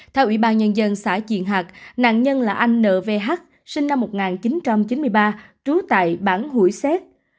theo ủy ban nhân dân xã triền hạc nạn nhân là anh n v h sinh năm một nghìn chín trăm chín mươi ba trú tại bảng hủy xét